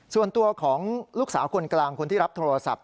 ส่วนตัวของลูกสาวคนกลางคนที่รับโทรศัพท์